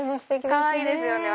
かわいいですよね。